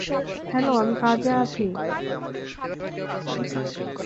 Hello, আমি কাজে আছি।